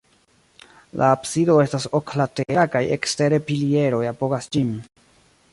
La absido estas oklatera kaj ekstere pilieroj apogas ĝin.